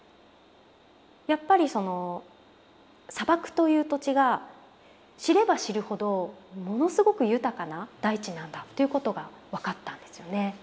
やっぱりその砂漠という土地が知れば知るほどものすごく豊かな大地なんだということが分かったんですよね。